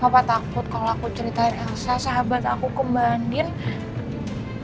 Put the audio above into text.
papa takut kalau aku ceritain elsa sahabat aku ke mbak edine